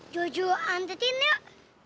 jojo antutin yuk